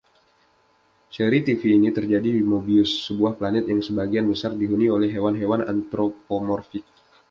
Seri tv ini terjadi di Mobius, sebuah planet yang sebagian besar dihuni oleh hewan-hewan antropomorfik.